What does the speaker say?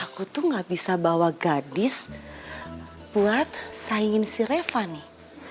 aku tuh gak bisa bawa gadis buat saingin si reva nih